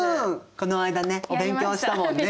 この間ねお勉強したもんね。